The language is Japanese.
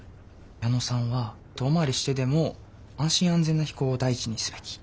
矢野さんは遠回りしてでも安心安全な飛行を第一にすべき。